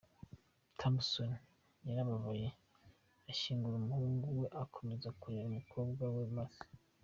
Thompson yarababaye ashyingura umuhungu we akomeza kurera umukobwa we Mercy.